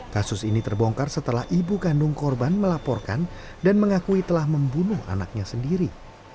kasus ini terbongkar setelah ibu kandung korban melaporkan dan mengakui telah membunuh anaknya sendiri